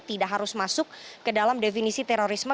tidak harus masuk ke dalam definisi terorisme